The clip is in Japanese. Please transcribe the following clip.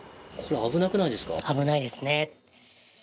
危ないですね。